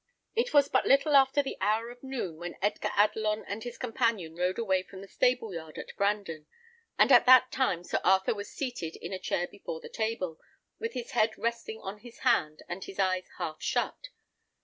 It was but little after the hour of noon when Edgar Adelon and his companion rode away from the stable yard at Brandon, and at that time Sir Arthur was seated in a chair before the table, with his head resting on his hand, and his eyes half shut.